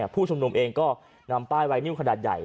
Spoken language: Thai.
ผู้ชุมนุมเองก็นำป้ายไวนิวขนาดใหญ่